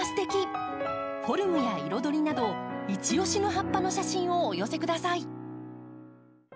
フォルムや彩りなどいち押しの葉っぱの写真をお寄せください。